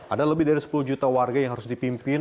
ada lebih dari sepuluh juta warga yang harus dipimpin